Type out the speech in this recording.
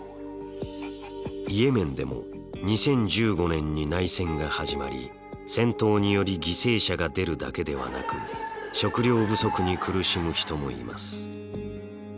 イエメンでも２０１５年に内戦が始まり戦闘により犠牲者が出るだけではなく食料不足に苦しむ人もいます。